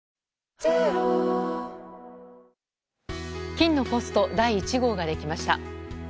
金のポスト第１号ができました。